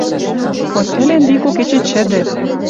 Хоть ӹлен викок эче чӹдӹ.